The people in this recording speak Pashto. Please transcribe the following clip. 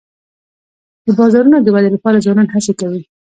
د بازارونو د ودي لپاره ځوانان هڅي کوي.